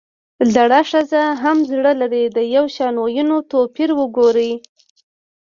زړه ښځه هم زړۀ لري ؛ د يوشان ويونو توپير وګورئ!